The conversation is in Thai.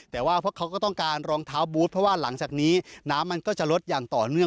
แต่ว่าพวกเขาก็ต้องการรองเท้าบูธเพราะว่าหลังจากนี้น้ำมันก็จะลดอย่างต่อเนื่อง